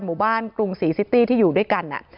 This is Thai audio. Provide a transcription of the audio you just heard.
หมู่บ้านกรุงศรีซิตี้ที่อยู่ด้วยกัน